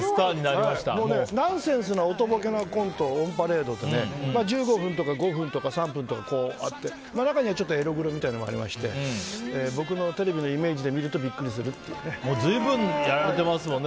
ナンセンスなおとぼけのコントのオンパレードで１５分とか５分とか３分とかあって中にはエログロみたいなのもありまして僕のテレビのイメージで見るとビックリされますね。